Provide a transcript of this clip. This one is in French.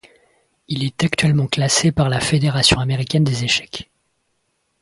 Il est actuellement classé par la Fédération américaine des échecs.